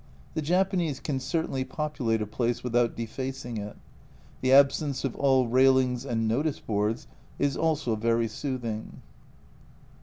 The Japanese can certainly populate a place without defacing it. The absence of all railings and notice boards is also very soothing.